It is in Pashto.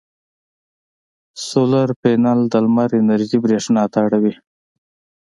سولر پینل د لمر انرژي برېښنا ته اړوي.